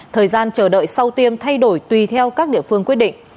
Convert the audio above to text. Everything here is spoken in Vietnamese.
thời gian chờ đợi sau tiêm thay đổi tùy theo các địa phương quyết định